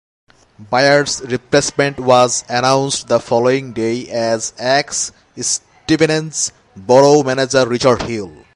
Baird's replacement was announced the following day as ex-Stevenage Borough manager Richard Hill.